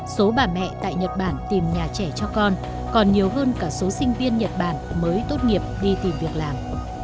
số bà mẹ tại nhật bản tìm nhà trẻ cho con còn nhiều hơn cả số sinh viên nhật bản mới tốt nghiệp đi tìm việc làm